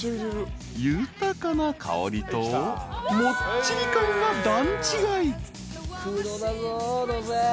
［豊かな香りともっちり感が段違い］